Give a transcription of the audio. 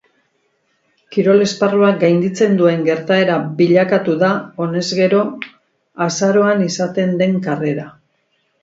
Kirol esparrua gainditzen duen gertaera bilakatu da honez gero azaroan izaten den karrera.